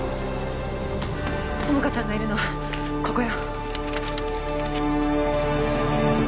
友果ちゃんがいるのはここよ